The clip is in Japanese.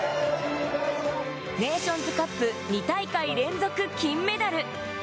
ネーションズカップ２大会連続金メダル。